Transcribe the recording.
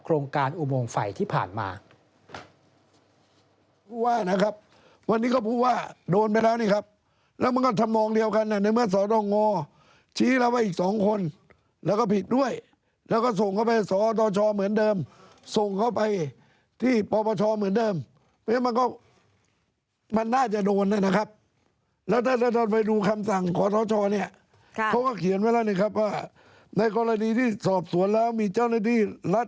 โครงการอุมวงฝ่ายที่ผ่านมา